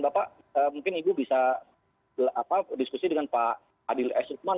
bapak mungkin ibu bisa diskusi dengan pak adil s lukman